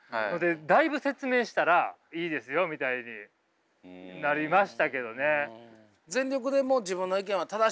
だいぶ説明したらいいですよみたいになりましたけどね。